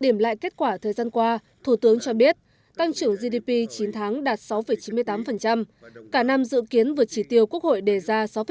điểm lại kết quả thời gian qua thủ tướng cho biết tăng trưởng gdp chín tháng đạt sáu chín mươi tám cả năm dự kiến vượt chỉ tiêu quốc hội đề ra sáu bảy